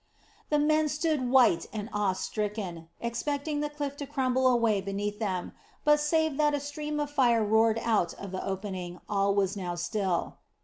The men stood white and awe stricken, expecting the cliff to crumble away beneath them, but save that a stream of fire roared out of the opening, all was now still.